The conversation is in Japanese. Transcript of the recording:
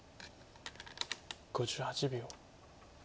５８秒。